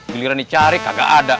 giliran dicari kagak ada